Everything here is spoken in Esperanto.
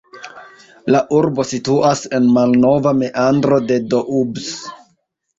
La urbo situas en malnova meandro de Doubs.